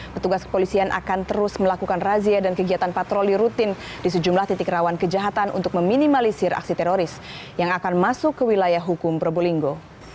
petugas kepolisian akan terus melakukan razia dan kegiatan patroli rutin di sejumlah titik rawan kejahatan untuk meminimalisir aksi teroris yang akan masuk ke wilayah hukum probolinggo